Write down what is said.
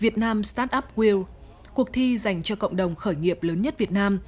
việt nam startup world cuộc thi dành cho cộng đồng khởi nghiệp lớn nhất việt nam